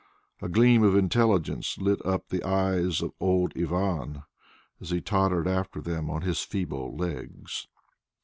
A gleam of intelligence lit up the eyes of old Ivan as he tottered after them on his feeble legs.